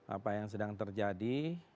apa yang sedang terjadi